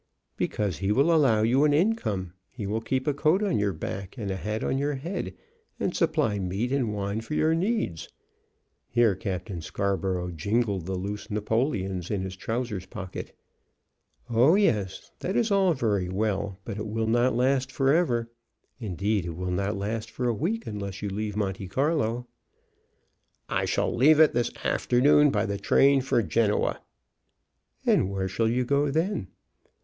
"Because he will allow you an income. He will keep a coat on your back and a hat on your head, and supply meat and wine for your needs." Here Captain Scarborough jingled the loose napoleons in his trousers pocket. "Oh, yes, that is all very well but it will not last forever. Indeed, it will not last for a week unless you leave Monte Carlo." "I shall leave it this afternoon by the train for Genoa." "And where shall you go then?"